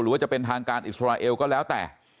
ว่าจะเป็นทางการอิสราเอลก็แล้วแต่